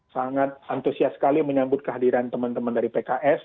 sangat antusias sekali menyambut kehadiran teman teman dari pks